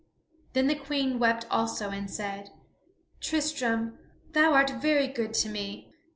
Then the Queen wept also, and said, "Tristram, thou art very good to me."